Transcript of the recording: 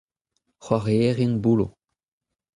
c'hoarierien bouloù.